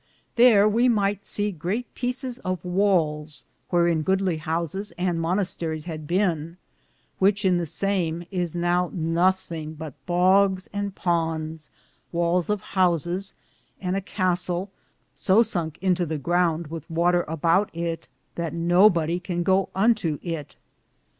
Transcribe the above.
There we myghte se greate peecis of wales wheare goodly housis and mones taris had bene, which in the same is now nothing but boges and pondes, wals of housis, and a castle, so sunke into the grounde with water aboute it that no bodie can go unto it.